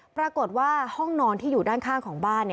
ปรากฏว่าห้องนอนที่อยู่ด้านข้างของบ้าน